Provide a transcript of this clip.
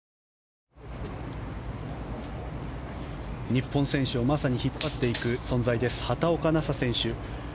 日本選手をまさに引っ張っていく存在です、畑岡奈紗選手。